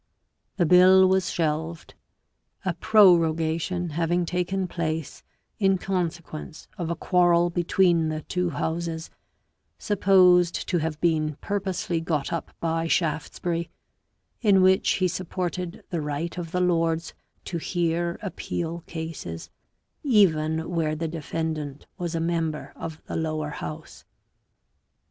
The bill was shelved, a prorogation having taken place in con sequence of a quarrel between the two Houses, supposed to have been purposely got up by Shaftesbury, in which he supported the right of the Lords to hear appeal cases, even where the defendant was a member of the Lower House.